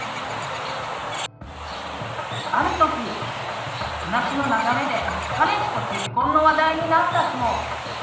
ある時話の流れで彼氏と結婚の話題になったそう。